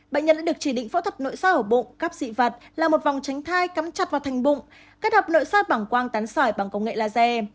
bệnh nhân đã được chỉ định phẫu thuật nội sỏi ổ bụng cắp dị vật là một vòng tránh thai cắm chặt vào thành bụng kết hợp nội sỏi bằng quang tán sỏi bằng công nghệ laser